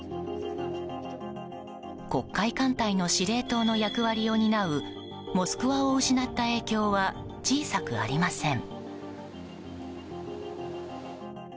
黒海艦隊の司令塔の役割を担う「モスクワ」を失った影響は小さくありません。